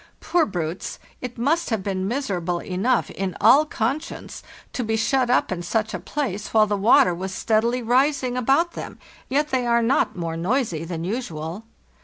Poor brutes, it must have been miserable enough, in all conscience, to be shut up in such a place while the water was steadily rising about them, yet they are not more noisy than usual.